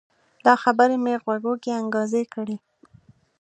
دا خبرې مې غوږو کې انګازې کړي